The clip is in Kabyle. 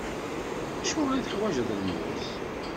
Acuɣer i teḥwaǧeḍ lmus?